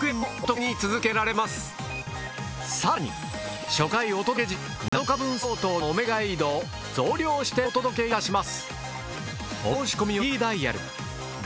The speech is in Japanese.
更に初回お届け時に７日分相当のオメガエイドを増量してお届けいたします。